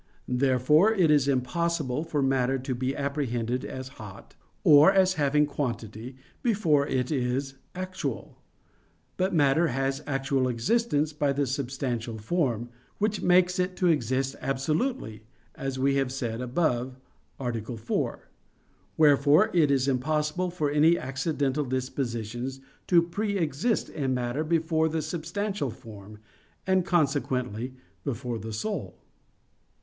Therefore, it is impossible for matter to be apprehended as hot, or as having quantity, before it is actual. But matter has actual existence by the substantial form, which makes it to exist absolutely, as we have said above (A. 4). Wherefore it is impossible for any accidental dispositions to pre exist in matter before the substantial form, and consequently before the soul.